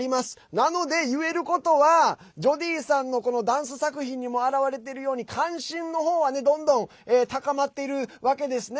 なので、言えることはジョディーさんのダンス作品にも表れているように関心の方はねどんどん高まっているんですね。